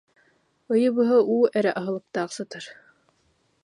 Ыйы быһа уу эрэ аһылыктаах сытар